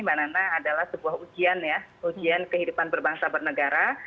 manana adalah sebuah ujian ya ujian kehidupan berbangsa bernegara